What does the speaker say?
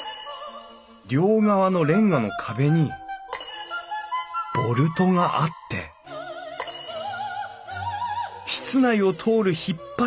両側のれんがの壁にボルトがあって室内を通る引張